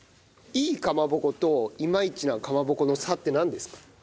いいかまぼこといまいちなかまぼこの差ってなんですか？